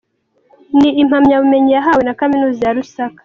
Ni impamyabumenyi yahawe na Kaminuza ya Lusaka.